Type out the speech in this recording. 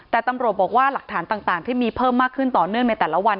แต่ตำรวจบอกว่าหลักฐานต่างที่มีเพิ่มมากขึ้นต่อเนื่องในแต่ละวัน